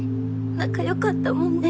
仲良かったもんね